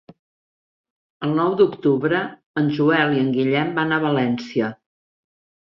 El nou d'octubre en Joel i en Guillem van a València.